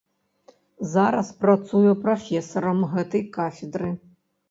Зараз працуе прафесарам гэтай кафедры.